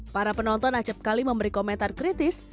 para penonton acapkali memberi komentar kritis